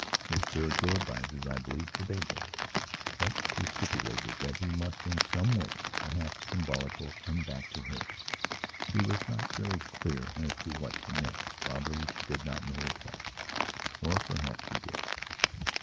Her spiritual advisers, I believe, forbade that. But she stipulated that he must, in some way, perhaps symbolical, come back to her. She was not very clear as to what she meant; probably she did not know herself. Or perhaps she did.